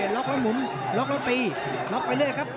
ล็อกแล้วหมุนล็อกแล้วตีล็อกไปเรื่อยครับ